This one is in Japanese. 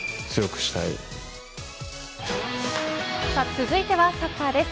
続いてはサッカーです。